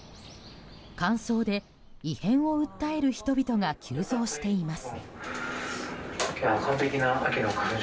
乾燥で、異変を訴える人々が急増しています。